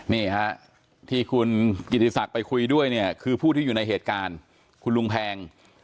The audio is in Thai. นี่ฮะที่คุณกิติศักดิ์ไปคุยด้วยเนี่ยคือผู้ที่อยู่ในเหตุการณ์คุณลุงแพง